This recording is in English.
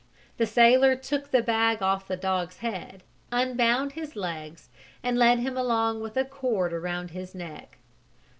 The sailor took the bag off the dog's head, unbound his legs, and led him along with a cord around his neck.